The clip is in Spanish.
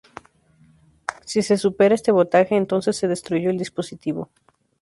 Si se supera este voltaje entonces se destruye el dispositivo.